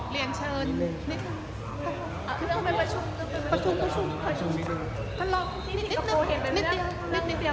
เรียนเชิญ